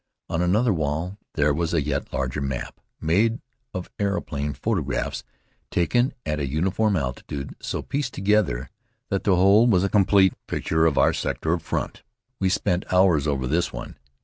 On another wall there was a yet larger map, made of aeroplane photographs taken at a uniform altitude and so pieced together that the whole was a complete picture of our sector of front. We spent hours over this one.